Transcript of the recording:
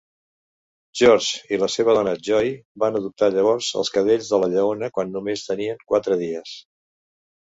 George i la seva dona Joy van adoptar llavors els cadells de la lleona, quan només tenien quatre dies.